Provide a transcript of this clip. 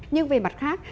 nhưng về mặt khác